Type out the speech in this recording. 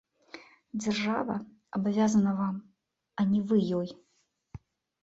Дзяржава абавязана вам, а не вы ёй.